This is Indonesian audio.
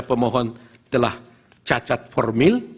pemohon telah cacat formil